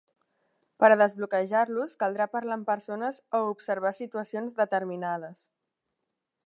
Per a desbloquejar-los caldrà parlar amb persones o observar situacions determinades.